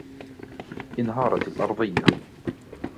انهارت الأرضية.